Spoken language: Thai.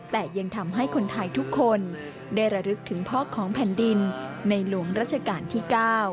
แต่ยังทำให้คนไทยทุกคนได้ระลึกถึงพ่อของแผ่นดินในหลวงรัชกาลที่๙